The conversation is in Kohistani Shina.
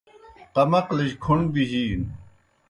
قمقلِجیْ کھوْݨ گہ بِجِینوْ